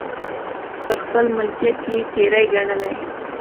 پر خپل ملکیت یې تېری ګڼلی.